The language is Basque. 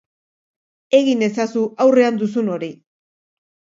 Egin ezazu aurrean duzun hori.